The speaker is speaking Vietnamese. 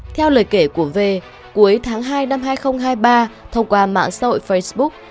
theo lời kể của v cuối tháng hai năm hai nghìn hai mươi ba thông qua mạng xã hội facebook